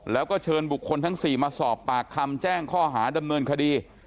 แล้วก็เชิญบุคคลทั้ง๔มาสอบปากคำแจ้งข้อหาดำเนินคดี